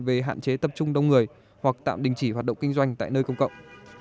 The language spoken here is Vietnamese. về hạn chế tập trung đông người hoặc tạm đình chỉ hoạt động kinh doanh tại nơi công cộng